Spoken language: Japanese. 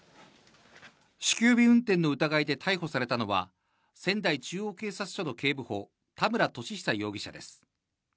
酒気帯び運転の疑いで逮捕されたのは、仙台中央警察署の警部補、田村利久容疑者です。